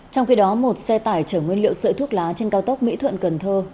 trong khi đó một xe tải chở nguyên liệu sợi thuốc lá trên cao tốc mỹ thuận cần thơ